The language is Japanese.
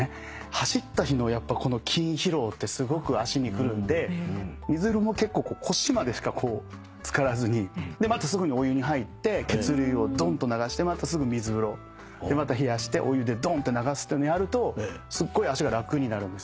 走った日のやっぱこの筋疲労ってすごく足にくるんで水風呂も結構腰までしかこう漬からずにまたすぐお湯に入って血流をどんと流してまたすぐ水風呂また冷やしてお湯でどんって流すっていうのをやるとすっごい足が楽になるんですよ。